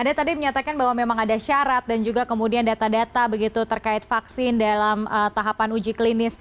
anda tadi menyatakan bahwa memang ada syarat dan juga kemudian data data begitu terkait vaksin dalam tahapan uji klinis